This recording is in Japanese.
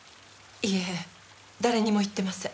いいえ誰にも言ってません。